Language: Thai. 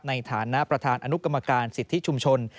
ในฐานะประธานอนุกรรมการสิทธิชุมชน